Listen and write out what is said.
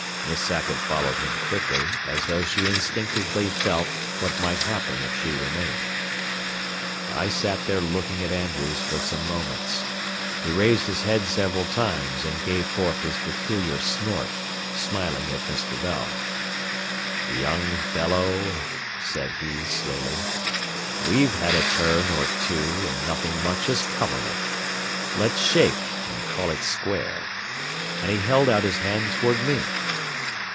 Miss Sackett followed him quickly, as though she instinctively felt what might happen if she remained. I sat there looking at Andrews for some moments. He raised his head several times and gave forth his peculiar snort, smiling at Mr. Bell. "Young fellow," said he, slowly, "we've had a turn or two, an' nothin' much has come of it. Let's shake an' call it square." And he held out his hand toward me.